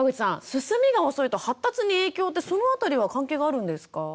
進みが遅いと発達に影響ってその辺りは関係があるんですか？